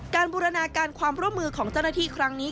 บูรณาการความร่วมมือของเจ้าหน้าที่ครั้งนี้